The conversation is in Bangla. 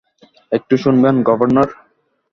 একটু শুনবেন, গভর্নর?